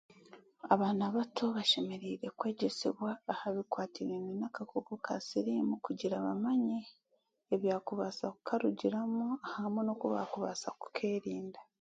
Abaana bato bashemereire kwegyesebwa aha bikwatiriine n'akakooko ka siriimu kugira bamanye ebyakubaasa kukarugiramu hamwe n'oku baakubaasa kukeerinda